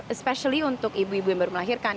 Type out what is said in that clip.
especially untuk ibu ibu yang baru melahirkan